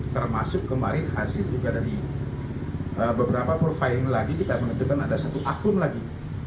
termasuk kemarin hasil juga dari beberapa profiling lagi kita menentukan ada satu akun lagi